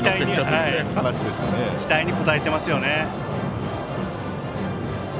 期待に応えてますよね。